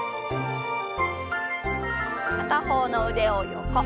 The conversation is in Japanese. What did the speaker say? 片方の腕を横。